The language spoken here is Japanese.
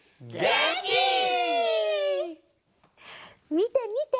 みてみて！